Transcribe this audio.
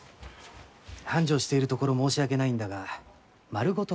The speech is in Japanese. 繁盛しているところ申し訳ないんだが丸ごと